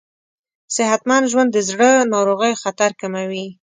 صحتمند ژوند د زړه ناروغیو خطر کموي.